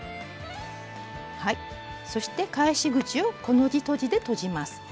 そして返し口をコの字とじでとじます。